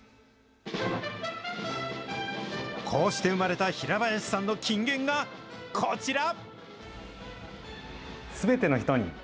こうして生まれた平林さんの金言がこちら。